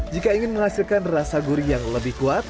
jika ingin menghasilkan rasa gurih yang lebih kuat